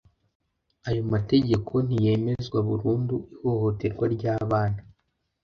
ayo mategeko niyemezwa burundu ihohoterwa ry'abana